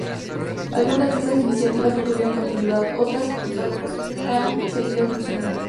Algunas de estas iniciativas no tuvieron continuidad; otras, con los años, han seguido evolucionando.